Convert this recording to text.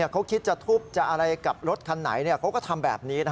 เขาคิดจะทุบจะอะไรกับรถคันไหนเขาก็ทำแบบนี้